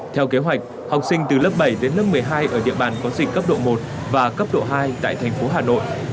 theo kế hoạch học sinh từ lớp bảy đến lớp một mươi hai ở địa bàn có dịch cấp độ một và cấp độ hai tại thành phố hà nội